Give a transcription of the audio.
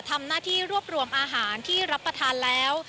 ทำหน้าที่รวบรวมอาหารที่รับประทานแล้ว